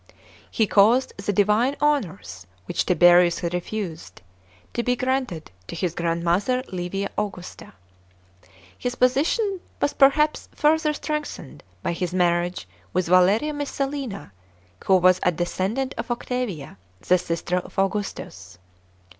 He caused the divine honours, which Tiberius had refused, to be granted to his grandmother Livia Augusta. • His position was perhaps further strengthened by his marriage with Valeria Messalina, who was a descendant of Octavia, the sister of Augustus.